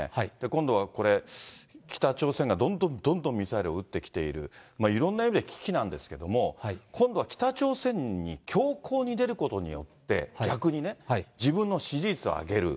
今度はこれ、北朝鮮がどんどんどんどんミサイルを撃ってきている、いろんな意味で危機なんですけれども、今度は北朝鮮に強硬に出ることによって、逆にね、自分の支持率を上げる。